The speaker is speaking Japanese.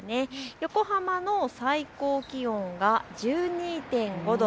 横浜の最高気温が１２．５度。